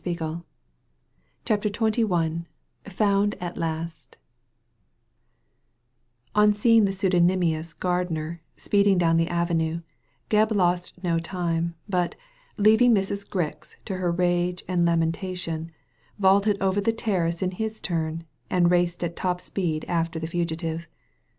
Digitized by Google CHAPTER XXI FOUND AT LAST On seeing the pseudonymous gardener speeding down the avenue, Gebb lost no time, but, leaving Mrs. Grix to her rage and lamentation, vaulted over the terrace in his turn, and raced at top speed after the fugitive.